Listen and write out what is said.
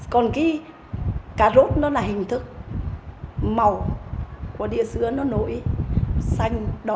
còn cái cà rốt nó là hình thức màu của địa sứa nó nổi xanh đỏ